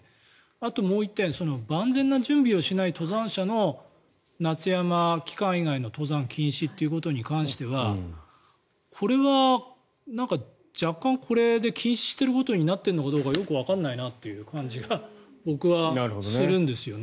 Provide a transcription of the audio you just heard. あともう１点万全な準備をしない登山者の夏山期間以外の登山禁止ということに関してはこれは若干、これで禁止していることになっているのかどうかよくわからないなという感じが僕はするんですよね。